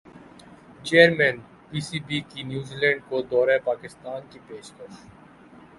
chairman P C B کی New Zealand کو دورہ پاکستان کی پیشکش